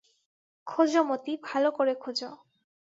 খোঁজ মতি, ভালো করে খোঁজ।